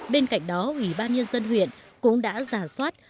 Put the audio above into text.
bên cạnh đó ủy ban nhân dân huyện cũng đã giả soát